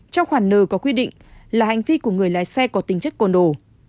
trong khoản nợ có quy định là hành vi của người lái xe có tính chất côn đồ